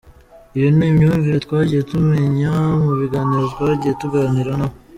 Iyo ni imyumvire twagiye tumemnya mu biganiro twagiye tugirana nabo.